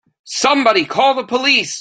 Somebody call the police!